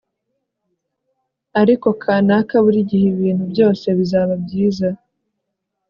ariko, kanaka, burigihe ibintu byose bizaba byiza